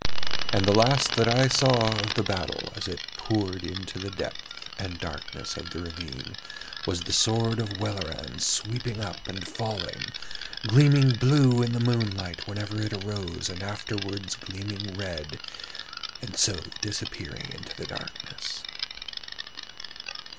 And the last that I saw of the battle as it poured into the depth and darkness of the ravine was the sword of Welleran sweeping up and falling, gleaming blue in the moonlight whenever it arose and afterwards gleaming red, and so disappearing into the darkness.